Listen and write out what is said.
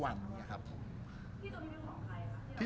รูปนั้นผมก็เป็นคนถ่ายเองเคลียร์กับเรา